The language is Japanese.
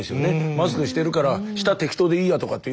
マスクしてるから下は適当でいいやとかっていう。